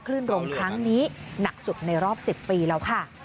ขึ้นลงครั้งนี้หนักสุดในรอบ๑๐ปีแล้วค่ะ